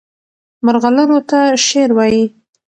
مرغلرو ته شعر وایي.